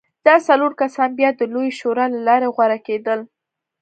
دا څلور کسان بیا د لویې شورا له لارې غوره کېدل.